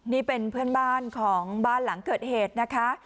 นี่เป็นเพื่อนบ้านของบ้านหลังเกิดเหตุนะคะ